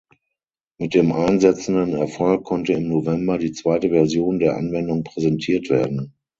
Mit dem einsetzenden Erfolg konnte im November die zweite Version der Anwendung präsentiert werden.